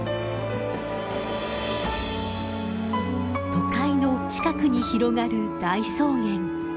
都会の近くに広がる大草原